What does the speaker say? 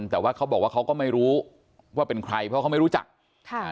แต่ว่าเขาบอกว่าเขาก็ไม่รู้ว่าเป็นใครเพราะเขาไม่รู้จักค่ะ